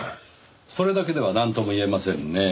それだけではなんとも言えませんねぇ。